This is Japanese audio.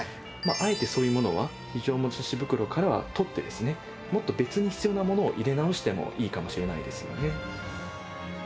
あえてそういうものは非常持ち出し袋からは取ってもっと別に必要なものを入れ直してもいいかもしれないですよね。